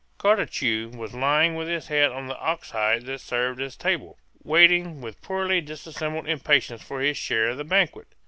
Cartucho was lying with his head on the ox hide that served as table, waiting with poorly dissembled impatience for his share of the banquet.